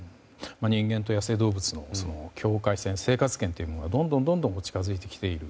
人間と野生動物の境界線生活圏というものがどんどん近づいてきている。